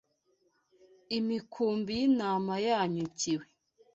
imikumbi y’intama yanyukiwe